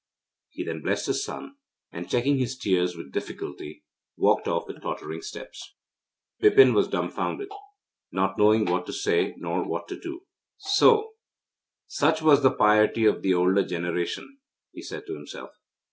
He then blessed his son, and, checking his tears with difficulty, walked off with tottering steps. Bipin was dumbfounded, not knowing what to say nor what to do. 'So, such was the piety of the older generation,' he said to himself.